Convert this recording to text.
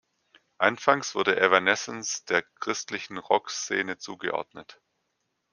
Anfangs wurde Evanescence der christlichen Rock-Szene zugeordnet.